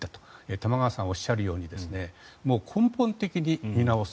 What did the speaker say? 玉川さんがおっしゃるように根本的に見直す。